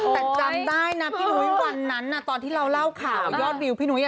แต่จำได้นะพี่นุ้ยวันนั้นตอนที่เราเล่าข่าวยอดวิวพี่นุ้ย